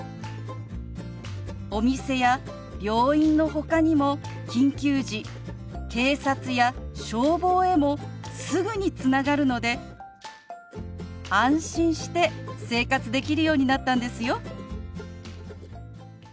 お店や病院のほかにも緊急時警察や消防へもすぐにつながるので安心して生活できるようになったんですよ。